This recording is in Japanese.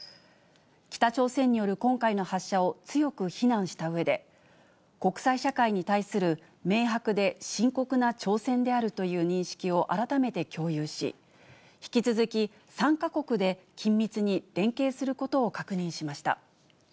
北朝鮮による今回の発射を強く非難したうえで、国際社会に対する明白で深刻な挑戦であるという認識を改めて共有し、引き続き３か国で緊密に連携することを確認しました。